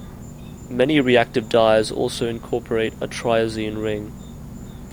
Many reactive dyes also incorporate a triazine ring.